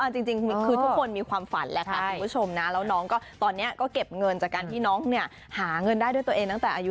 น่าอินดูทุกคนมีความฝันแล้วคุณผู้ชมแล้วน้องก็เก็บเงินจากการที่น้องหาเงินได้ตัวเองตั้งแต่อายุ๑๒